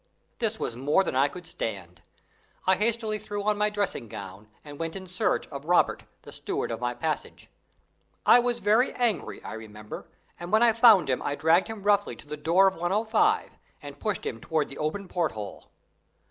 This was more than I could stand. I hastily threw on my dressing gown and went in search of Robert, the steward of my passage. I was very angry, I remember, and when I found him I dragged him roughly to the door of 105, and pushed him towards the open porthole.